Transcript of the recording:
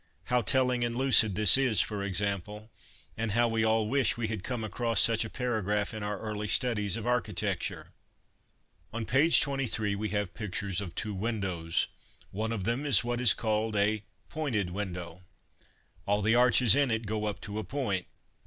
How telling and lucid this is, for example, and how we all wish we had come across such a paragraph in our early studies of architecture : "On page 23 we have pictures of two windows. One of them is what is called a Pointed window. All the arches in it go up to a point.